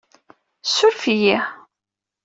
Ssuref-iyi!